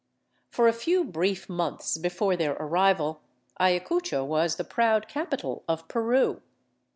For a few brief months before their arrival, Ayacucho was the proud capital of Peru.